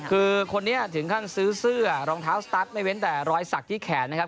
คือคนนี้ถึงขั้นซื้อเสื้อรองเท้าสตั๊กไม่เว้นแต่รอยสักที่แขนนะครับ